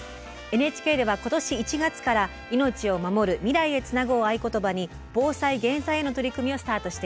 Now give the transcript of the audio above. ＮＨＫでは今年１月から「命をまもる未来へつなぐ」を合言葉に防災・減災への取り組みをスタートしています。